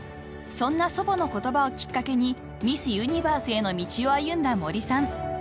［そんな祖母の言葉をきっかけにミス・ユニバースへの道を歩んだ森さん］